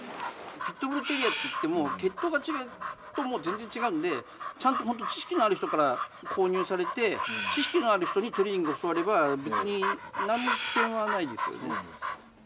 ピットブル・テリアっていっても、血統が違うと、もう全然違うんで、ちゃんと本当、知識のある人から購入されて、知識のある人にトレーニングを教われば、別になんも危険はないですよね。